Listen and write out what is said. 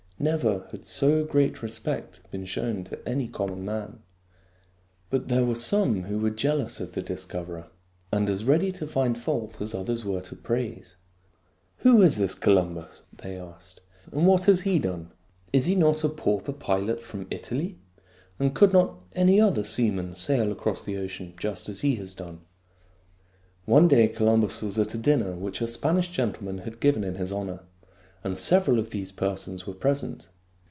Never had so great respect been shown to any common man. But there were some who were jealous of the dis coverer, and as ready to find fault as others were to praise. "Who is this Columbus.?" they asked, " and what has he done ? Is he not a pauper pilot from Italy ? And could not any other seaman sail across the ocean just as he has done ?" COLUMBUS AND THE EGG 9 One day Columbus was at a dinner which a Spanish gentleman had given in his honor, and sev eral of these persons were present.